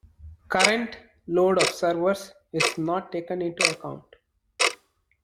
Current load of servers is not taken into account.